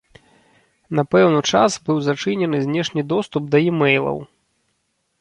На пэўны час быў зачынены знешні доступ да е-мэйлаў.